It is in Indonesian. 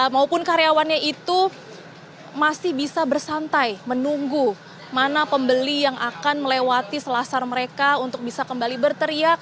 maupun karyawannya itu masih bisa bersantai menunggu mana pembeli yang akan melewati selasar mereka untuk bisa kembali berteriak